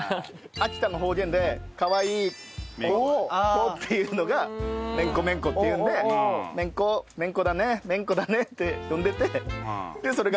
秋田の方言で「かわいい子」っていうのが「めんこめんこ」っていうので「めんこめんこだねめんこだね」って呼んでてそれが。